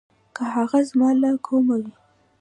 که هغه زما له قومه وي.